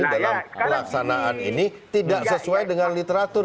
dalam pelaksanaan ini tidak sesuai dengan literatur